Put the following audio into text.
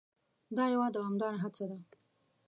دا یوه دوامداره هڅه ده.